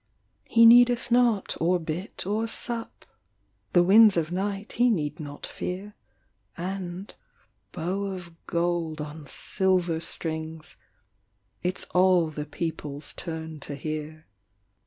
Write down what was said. He needeth not or bit or sup, The winds of night he need not fear, And (bow of gold on silver strings) It s all the peoples turn to hear.